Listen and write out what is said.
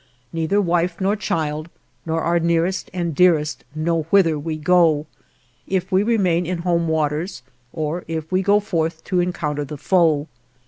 Neither wife nor child, nor our nearest and dearest, know whither we go, if we remain in home waters, or if we go forth to encounter the foe.